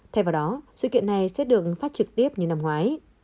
thay vào đó sự kiện này sẽ được phát trực tiếp như năm ngoái